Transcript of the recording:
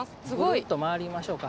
ぐるっと回りましょうか。